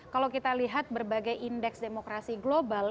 kalau kita lihat berbagai indeks demokrasi global